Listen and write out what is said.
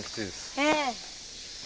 ええ。